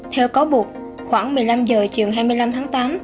theo cáo buộc khoảng một mươi năm h chiều hai mươi năm tháng tám